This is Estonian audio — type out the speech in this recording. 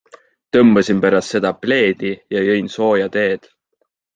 Tõmbasin pärast seda pleedi ja jõin sooja teed!